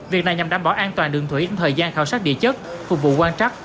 việc này nhằm đảm bảo an toàn đường thủy trong thời gian khảo sát địa chất phục vụ quan trắc